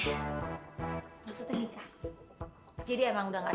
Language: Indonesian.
hubungan kita berdua